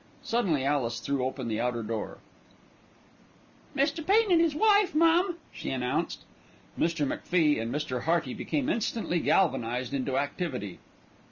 Suddenly Alice threw open the outer door. "Mr. Pain and 'is wife, mum," she announced. Mr. MacFie and Mr. Hearty became instantly galvanised into activity.